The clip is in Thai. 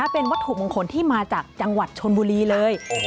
เป็นวัตถุมงคลที่มาจากจังหวัดชนบุรีเลย